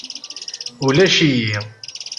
Ulac-iyi.